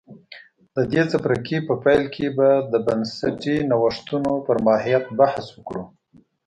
د دې څپرکي په پیل کې به د بنسټي نوښتونو پر ماهیت بحث وکړو